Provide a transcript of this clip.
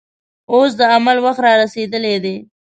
اوس د عمل وخت رارسېدلی دی.